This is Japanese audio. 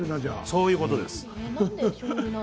そういうことです。